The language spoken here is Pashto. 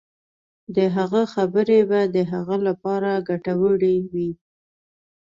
د هغه خبرې به د هغه لپاره ګټورې وي.